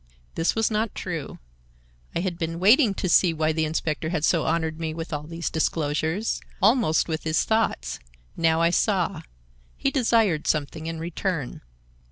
This was not true. I had been waiting to see why the inspector had so honored me with all these disclosures, almost with his thoughts. Now I saw. He desired something in return.